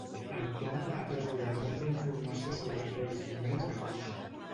El Tom ha atresorat molta informació sobre aquells moments d'angoixa.